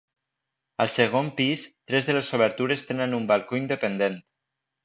Al segon pis, tres de les obertures tenen un balcó independent.